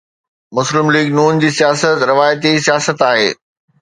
مسلم ليگ ن جي سياست روايتي سياست آهي.